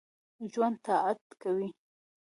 ژوندي طاعت کوي